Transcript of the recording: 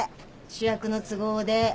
主役の都合で。